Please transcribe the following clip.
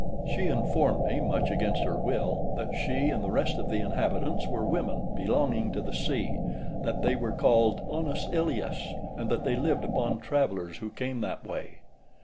She informed me, much against her will, that she and the rest of the inhabitants were women belonging to the sea, that they were called Onoscileas, and that they lived upon travellers who came that way.